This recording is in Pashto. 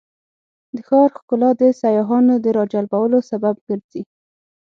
د ښار ښکلا د سیاحانو د راجلبولو سبب ګرځي.